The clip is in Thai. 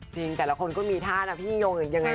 จริงแต่ละคนก็มีท่านะพี่ยงอย่างไรนะ